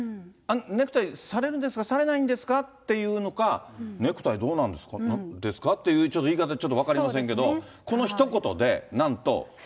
ネクタイされるんですか、されないんですかっていうのか、ネクタイどうなんですかっていう、ちょっと言い方、分かりませんけども、このひと言で、なんと。